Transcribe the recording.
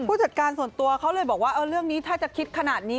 จัดการส่วนตัวเขาเลยบอกว่าเรื่องนี้ถ้าจะคิดขนาดนี้